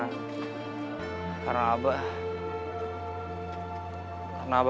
kita udah berdua udah berdua udah berdua udah berdua udah berdua udah berdua